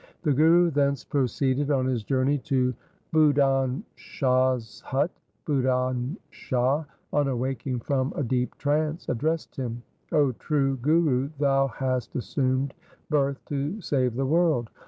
The Guru thence proceeded on his journey to Budhan Shah's hut. Budhan Shah on awaking from a deep trance addressed him —' 0 true Guru, thou hast assumed birth to save the world.